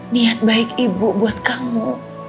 niat baik ibu buat kamu